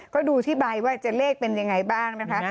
ก็ดูที่ใบว่าจะเลขเป็นยังไงบ้างนะคะ